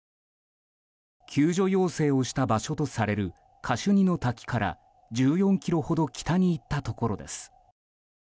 救助要請をした場所とされるカシュニの滝から１４ｋｍほど北に行ったところです。